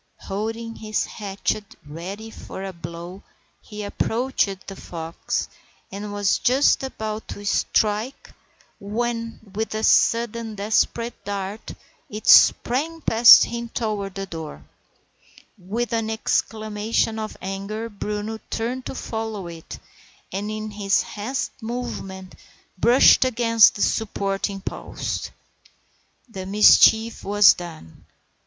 Holding his hatchet ready for a blow he approached the fox, and was just about to strike when, with a sudden desperate dart, it sprang past him toward the door. With an exclamation of anger Bruno turned to follow it, and in his hasty movement brushed against the supporting post. [Illustration: "BRUNO STRUCK WITH ALL HIS MIGHT AT HIS LEG."] The mischief was done.